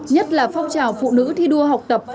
nhất là phong trào phụ nữ thi đua học tập